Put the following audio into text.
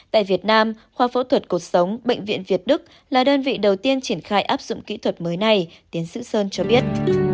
tại việt nam khoa phẫu thuật cuộc sống bệnh viện việt đức là đơn vị đầu tiên triển khai áp dụng kỹ thuật mới này tiến sĩ sơn cho biết